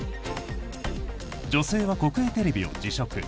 女性は国営テレビを辞職。